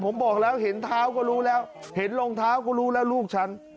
ผมบอกแล้วเห็นเท้าก็รู้แล้วเห็นรองเท้าก็รู้แล้วลูกฉัน